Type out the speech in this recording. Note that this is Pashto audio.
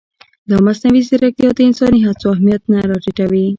ایا مصنوعي ځیرکتیا د انساني هڅې اهمیت نه راټیټوي؟